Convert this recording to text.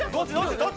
どっち？